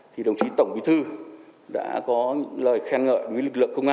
thì đồng chí tổng bí thư đã có lời khen ngợi với lực lượng công an